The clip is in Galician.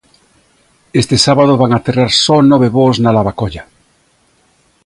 Este sábado van aterrar só nove voos na Lavacolla.